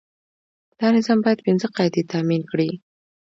دا نظام باید پنځه قاعدې تامین کړي.